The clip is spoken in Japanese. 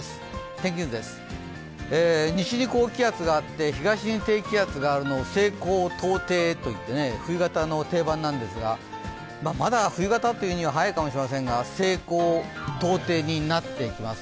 天気図です、西に高気圧があって、東に高気圧があるのを西高東低といって、冬型の定番なんですが、まだ冬型というには早いかもしれませんが、西高東低になっていきます。